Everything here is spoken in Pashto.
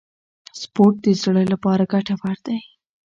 سپورت د زړه لپاره ګټور دی.